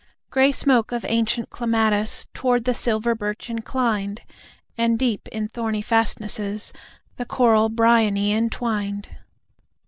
Grey smoke of ancient clematis Towards the silver birch inclined, And deep in thorny fastnesses The coral bryony entwined.